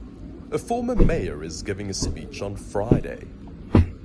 A former mayor is giving a speech on Friday.